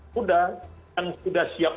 sudah yang sudah siap